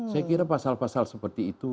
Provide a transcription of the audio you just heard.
saya kira pasal pasal seperti itu